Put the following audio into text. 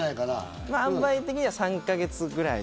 塩梅的には３か月ぐらい。